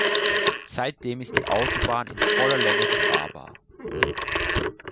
Seitdem ist die Autobahn in voller Länge befahrbar.